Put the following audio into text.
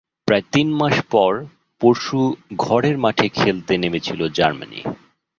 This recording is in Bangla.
প্রায় তিন মাস পর পরশু ঘরের মাঠে খেলতে নেমেছিল জার্মানি।